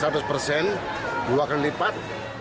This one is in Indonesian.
dua kali lipat